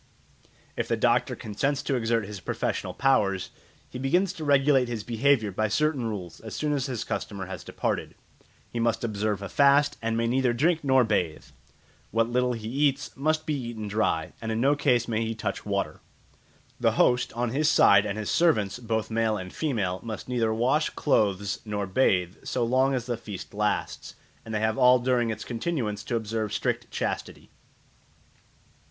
If the doctor consents to exert his professional powers, he begins to regulate his behaviour by certain rules as soon as his customer has departed. He must observe a fast, and may neither drink nor bathe; what little he eats must be eaten dry, and in no case may he touch water. The host, on his side, and his servants, both male and female, must neither wash clothes nor bathe so long as the feast lasts, and they have all during its continuance to observe strict chastity.